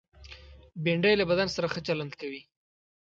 بېنډۍ له بدن سره ښه چلند کوي